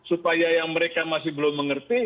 supaya yang mereka masih belum mengerti